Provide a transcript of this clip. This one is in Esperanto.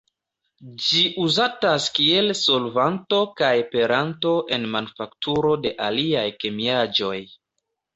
Ĝi uzatas kiel solvanto kaj peranto en manufakturo de aliaj kemiaĵoj.